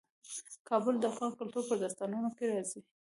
کابل د افغان کلتور په داستانونو کې راځي.